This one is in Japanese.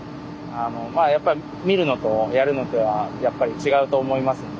まあやっぱ見るのとやるのではやっぱり違うと思いますんで。